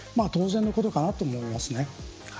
当然のことかなと思います。